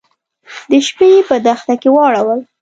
د شپې يې په دښته کې واړول.